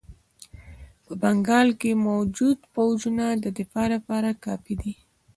په بنګال کې موجود پوځونه د دفاع لپاره کافي دي.